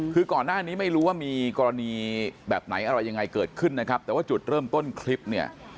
คือก่อนหน้านี้ไม่รู้ว่ามีกรณีแบบไหนอะไรยังไงเกิดขึ้นนะครับแต่ว่าจุดเริ่มต้นคลิปเนี่ย